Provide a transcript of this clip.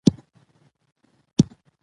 او خوند ترې واخلي په ځينو ځايو کې